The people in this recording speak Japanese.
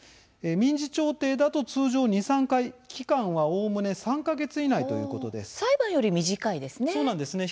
民事調停だと通常２、３回期間は、おおむね３か月以内裁判より短いですね。